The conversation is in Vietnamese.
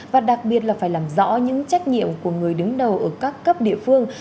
và đặc biệt là phải làm rõ những trách nhiệm của người đứng đầu ở các cấp địa phương